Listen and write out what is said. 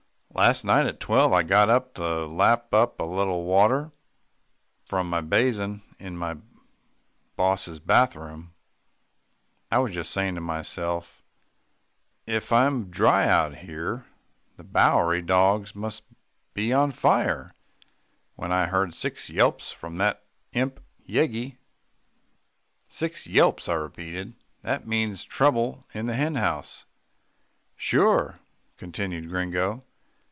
"Last night at twelve, I got up to lap a little water from my basin in my boss's bath room. I was just saying to myself, says I, 'If I'm dry out here, the Bowery dogs must be on fire,' when I heard six yelps from that imp Yeggie." [Illustration: "I HEARD SIX YELPS FROM THAT IMP YEGGIE"] "Six yelps," I repeated, "that means trouble in the hen houses." "Sure," continued Gringo.